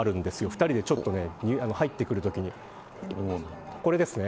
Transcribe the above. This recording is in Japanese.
２人で入ってくるときにこれですね。